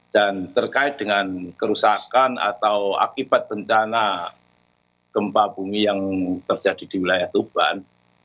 dan terkait dengan kerusakan atau akibat bencana gempa bumi yang terjadi di wilayah tuban